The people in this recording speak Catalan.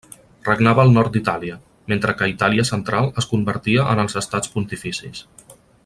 Regnava al nord d'Itàlia, mentre que Itàlia central es convertia en els Estats Pontificis.